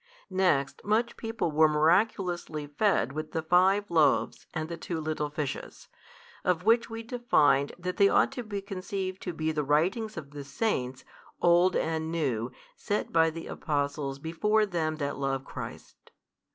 Next much people were miraculously fed with the five loaves and two little fishes; of which we defined that they ought to be conceived to be the writings of the Saints old and new set by the Apostles before them that love Christ.